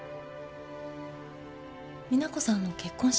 実那子さんの結婚式。